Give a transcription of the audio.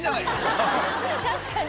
確かに。